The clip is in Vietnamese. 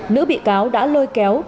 nữ bị cáo đã lôi kéo